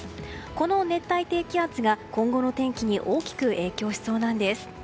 この熱帯低気圧が今後の天気に大きく影響しそうなんです。